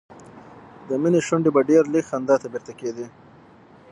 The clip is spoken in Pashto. د مينې شونډې به ډېر لږ خندا ته بیرته کېدې